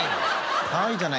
かわいいじゃないですか。